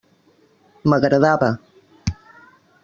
M'agradava.